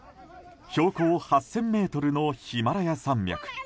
標高８０００ｍのヒマラヤ山脈。